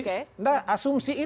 asumsi itu kemudian saya berikan